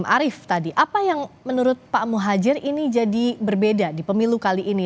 arief tadi apa yang menurut pak muhajir ini jadi berbeda di pemilu kali ini